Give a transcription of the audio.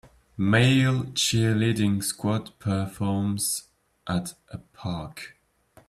Male cheerleading squad performs at a park